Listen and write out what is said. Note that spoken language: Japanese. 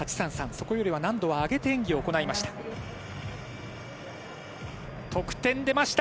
そこよりは難度を上げて演技を行いました。